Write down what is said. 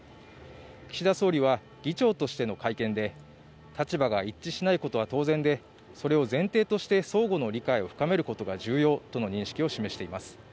岸田総理は、議長としての会見で、立場が一致しないことは当然でそれを前提として相互の理解を深めることが重要との認識を示しています。